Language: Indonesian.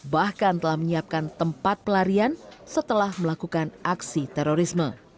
bahkan telah menyiapkan tempat pelarian setelah melakukan aksi terorisme